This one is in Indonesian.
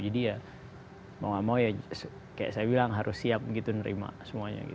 jadi ya mau nggak mau ya kayak saya bilang harus siap gitu nerima semuanya gitu